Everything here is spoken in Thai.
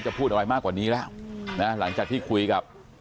พูดอะไรมากกว่านี้แล้วนะหลังจากที่คุยกับ